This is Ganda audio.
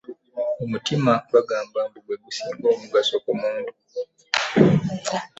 Omutima bagamba mbu gwe gusinga omugaso ku muntu.